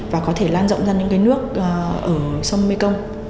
và có thể lan rộng ra những cái nước ở sông mekong